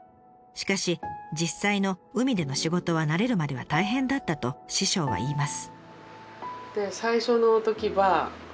しかし実際の海での仕事は慣れるまでは大変だったと師匠は言います。